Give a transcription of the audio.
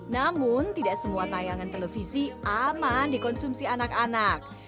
namun tidak semua tayangan televisi aman dikonsumsi anak anak